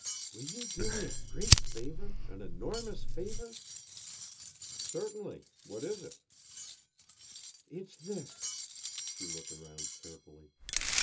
"Will you do me a great favor an enormous favor?" "Certainly. What is it?" "It's this." She looked around carefully.